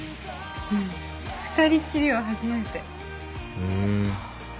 うん二人きりは初めてへえ